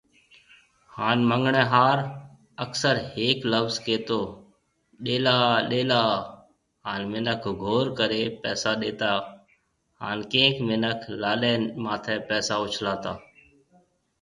هان منڱڻهار اڪثر هيڪ لفظ ڪيتو ڏيلا ڏيلا هان منک گھور ڪري پئسا ڏيتا هان ڪئينڪ منک لاڏي ماٿي پئسا اُڇلاتا